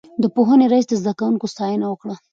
د پوهنې رئيس د زده کوونکو ستاينه وکړه.